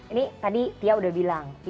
ini tadi tia udah bilang